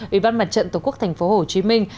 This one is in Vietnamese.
ủy ban mặt trận tổ quốc thành phố hồ chí minh